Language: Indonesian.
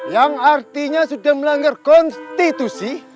yang artinya sudah melanggar konstitusi